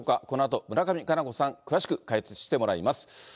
このあと、村上佳菜子さん、詳しく解説してもらいます。